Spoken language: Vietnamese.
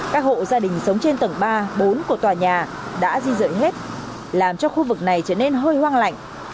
các hộ gia đình sống trên tầng ba bốn của tòa nhà đã di dợi hết làm cho khu vực này trở nên hơi hoang lạnh